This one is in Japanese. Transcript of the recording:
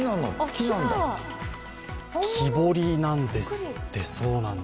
木彫りなんですって。